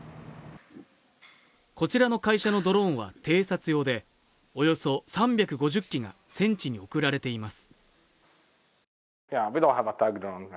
こちらの会社のドローンは偵察用でおよそ３５０機が戦地に送られています